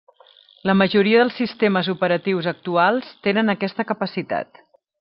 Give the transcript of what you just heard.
La majoria dels sistemes operatius actuals tenen aquesta capacitat.